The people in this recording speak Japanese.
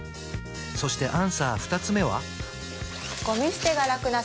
そしてアンサー２つ目は？